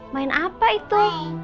main apa itu